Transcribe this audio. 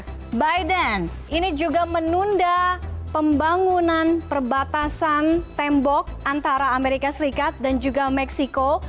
nah biden ini juga menunda pembangunan perbatasan tembok antara amerika serikat dan juga meksiko